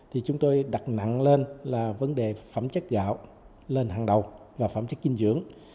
thì chúng tôi đặt nặng lên là vấn đề phẩm chất gạo lên hàng đầu và phẩm chất dinh dưỡng